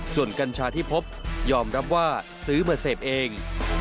ส่วนกัญชาที่พบยอมรับว่าซื้อมาเสพเอง